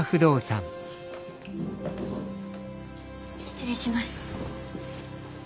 失礼します。